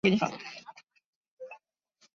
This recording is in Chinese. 蹒跚在沙漠之中